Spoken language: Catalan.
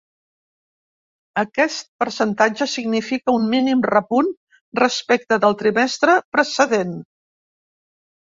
Aquest percentatge significa un mínim repunt respecte del trimestre precedent.